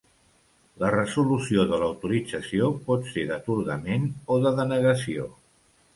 La resolució de l'autorització pot ser d'atorgament o de denegació.